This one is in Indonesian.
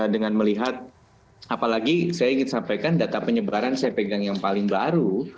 dengan melihat apalagi saya ingin sampaikan data penyebaran saya pegang yang paling baru